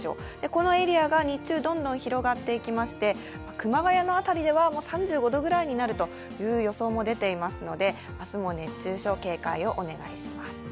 このエリアが日中どんどん広がっていきまして、熊谷の辺りでは３５度以上になるという予想も出ていますので明日も熱中症、警戒をお願いします